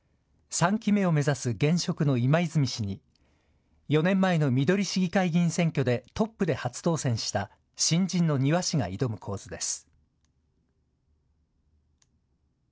３期目を目指す現職の今泉氏に４年前のみどり市議会議員選挙でトップで初当選した新人の丹羽氏が挑む構図です。